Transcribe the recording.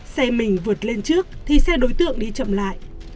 xe mình vượt lên trước thì xe đối tượng đi chậm lại